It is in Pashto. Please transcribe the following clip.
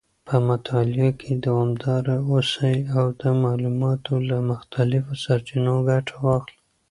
په مطالعه کې دوامداره اوسئ او د معلوماتو له مختلفو سرچینو ګټه واخلئ.